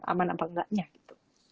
aman apa enggaknya gitu